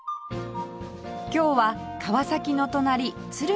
今日は川崎の隣鶴見を散歩